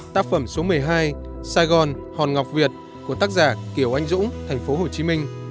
tác phẩm số một mươi hai sài gòn hòn ngọc việt của tác giả kiều anh dũng tp hcm